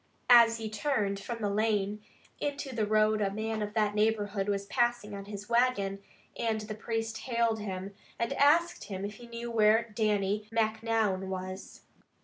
As he turned from the lane into the road a man of that neighborhood was passing on his wagon, and the priest hailed him, and asked if he knew where Dannie Macnoun was.